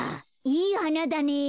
いいはなだね。